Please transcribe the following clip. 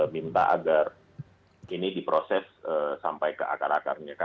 minta agar ini diproses sampai ke akar akarnya